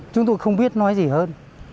chúng tôi không biết nói gì hơn